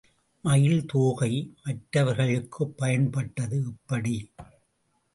மயில் தோகை மற்றவர்களுக்குப் பயன்பட்டது எப்படி?